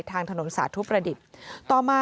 ทางถนนสาธุประดิษฐ์ต่อมา